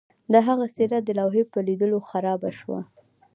د هغه څیره د لوحې په لیدلو خرابه شوه